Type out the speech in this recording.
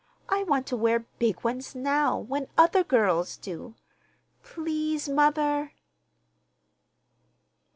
I want to wear big ones now, when other girls do. Please, mother!"